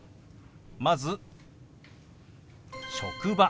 まず「職場」。